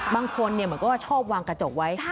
บางคนเหมือนก็ชอบวางกระจกไว้